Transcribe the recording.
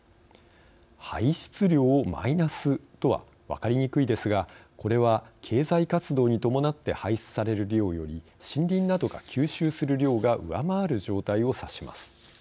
排出量をマイナスとは分かりにくいですがこれは経済活動に伴って排出される量より森林などが吸収する量が上回る状態を指します。